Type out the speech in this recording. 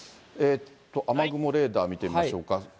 雨雲レーダー見てみましょうか。